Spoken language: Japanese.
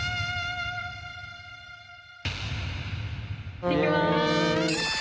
いってきます！